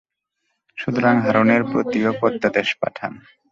সুতরাং হারূনের প্রতিও প্রত্যাদেশ পাঠান!